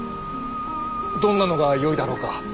どんなのがよいだろうか？